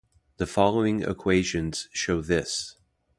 The following equations show this.